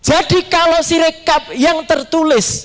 jadi kalau sirika yang tertulis